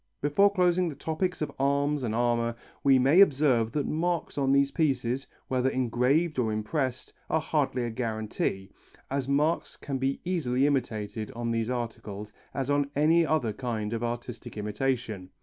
Before closing the topic of arms and armour, we may observe that marks on these pieces, whether engraved or impressed, are hardly a guarantee, as marks can be as easily imitated on these articles as on any other kind of artistic imitation.